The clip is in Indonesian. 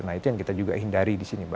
nah itu yang kita juga hindari disini mbak